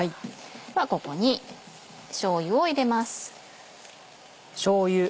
ここにしょうゆを入れます。